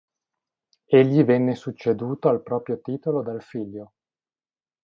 Egli venne succeduto al proprio titolo dal figlio.